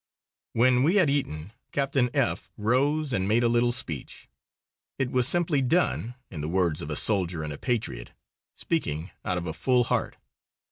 When we had eaten, Captain F rose and made a little speech. It was simply done, in the words of a soldier and a patriot speaking out of a full heart.